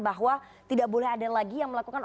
bahwa tidak boleh ada lagi yang melakukan